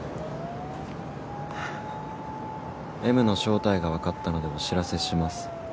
「Ｍの正体が分かったのでお知らせします」